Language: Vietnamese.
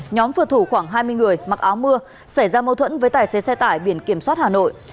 nhóm vừa thủ khoảng hai mươi người mặc áo mưa xảy ra mâu thuẫn với tài xế xe tải biển kiểm soát hà nội